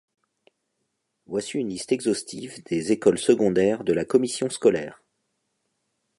Voici une liste exhaustive des écoles secondaires de la commission scolaire.